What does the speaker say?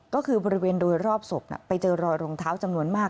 ก็คือบริเวณโดยรอบศพไปเจอรอยรองเท้าจำนวนมาก